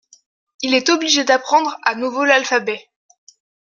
Il est obligé d'apprendre à nouveau l'alphabet.